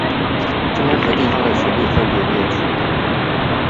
中央與地方的權力分別列舉